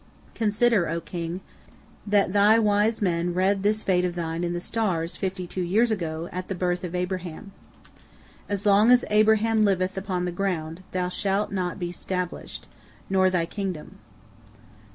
Consider, O king, that thy wise men read this fate of thine in the stars, fifty two years ago, at the birth of Abraham. As long as Abraham liveth upon the ground, thou shalt not be stablished, nor thy kingdom."